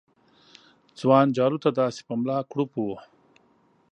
ځوان جارو ته داسې په ملا کړوپ و